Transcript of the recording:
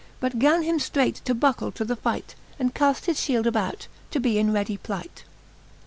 But gan him ftreight to buckle to the fight, And caft his fhield about, to be in readie plight.